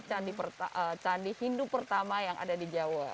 candi hindu pertama yang ada di jawa